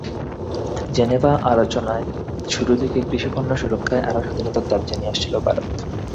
Geneva আলোচনায় শুরু থেকে কৃষিপণ্য সুরক্ষায় আরও স্বাধীনতার দাবি জানিয়ে আসছিল ভারত।